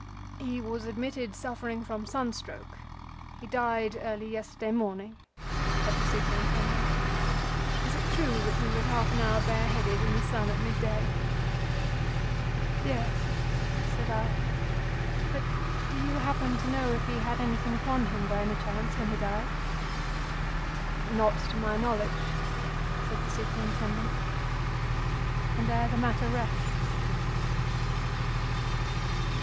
"He was admitted suffering from sun stroke. He died early yesterday morning," said the Superintendent. "Is it true that he was half an hour bareheaded in the sun at midday?" "Yes," said I, "but do you happen to know if he had anything upon him by any chance when he died?" "Not to my knowledge," said the Superintendent. And there the matter rests.